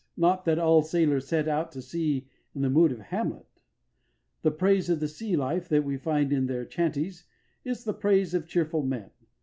Not that all sailors set out to sea in the mood of Hamlet. The praise of the sea life that we find in their chanties is the praise of cheerful men.